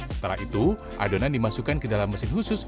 setelah itu adonan dimasukkan ke dalam mesin khusus